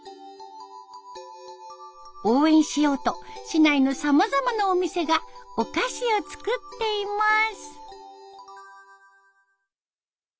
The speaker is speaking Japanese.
応援しようと市内のさまざまなお店がお菓子を作っています。